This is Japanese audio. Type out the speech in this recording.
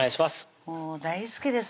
もう大好きです